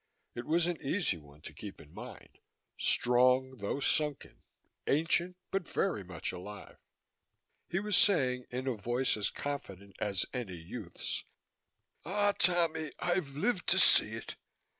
It was an easy one to keep in mind strong though sunken, ancient but very much alive. He was saying, in a voice as confident as any youth's, "Ah, Tommy, I've lived to see it!